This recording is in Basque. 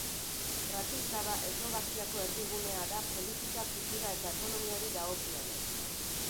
Bratislava Eslovakiako erdigunea da politika, kultura eta ekonomiari dagokienez.